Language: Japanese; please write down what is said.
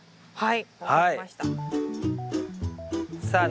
はい。